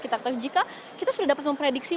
kita sudah dapat memprediksi